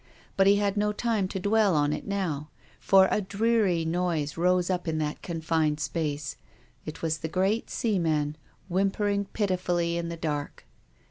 But he had no time to dwell on it now, for a dreary noise rose up in that confined space. It was the great seaman whimpering pitifully in the dark.